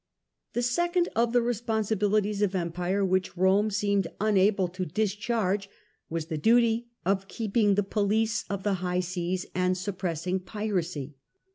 The second of the responsibilities of empire, which Rome seemed unable to discharge, was the duty of keeping the police of the high seas and suppressing piracy.